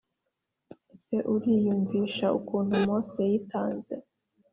Ese uriyumvisha ukuntu Mose yitanze?